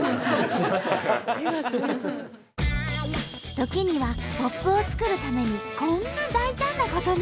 時にはポップを作るためにこんな大胆なことも。